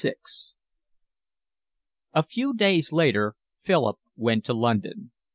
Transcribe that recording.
XXXVI A few days later Philip went to London.